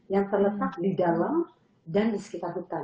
yang terletak di dalam dan di sekitar hutan